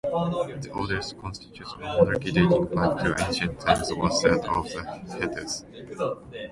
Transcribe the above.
The oldest constitutional monarchy dating back to ancient times was that of the Hittites.